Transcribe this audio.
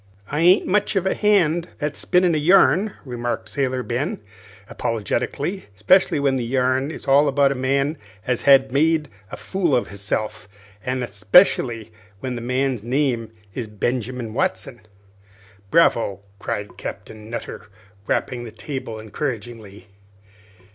"I ain't much of a hand at spinnin' a yarn," remarked Sailor Ben, apologetically, "'specially when the yarn is all about a man as has made a fool of hisself, an' 'specially when that man's name is Benjamin Watson." "Bravo!" cried Captain Nutter, rapping on the table encouragingly.